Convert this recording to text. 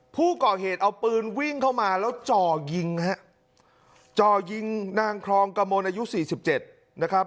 ผู้ก่อเหตุเอาปืนวิ่งเข้ามาแล้วจ่อยิงฮะจ่อยิงนางครองกระมวลอายุ๔๗นะครับ